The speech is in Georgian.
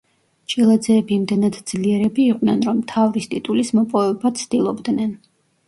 ჭილაძეები იმდენად ძლიერები იყვნენ, რომ მთავრის ტიტულის მოპოვება ცდილობდნენ.